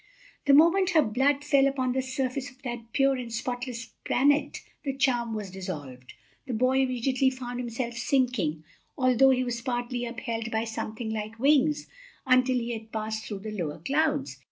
The moment her blood fell upon the surface of that pure and spotless planet, the charm was dissolved. The boy immediately found himself sinking, although he was partly upheld by something like wings until he had passed through the lower clouds.